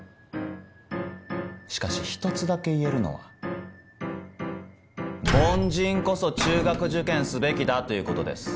しかし一つだけ言えるのは凡人こそ中学受験すべきだということです。